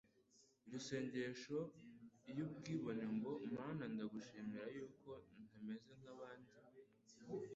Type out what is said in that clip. iri sengesho iy'ubwibone ngo : «Mana ndagushimira yuko ntameze nk'abandi,»